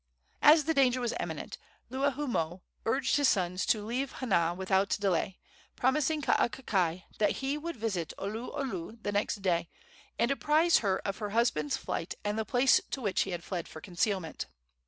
As the danger was imminent, Luahoomoe urged his sons to leave Hana without delay, promising Kaakakai that he would visit Oluolu the next day, and apprise her of her husband's flight and the place to which he had fled for concealment.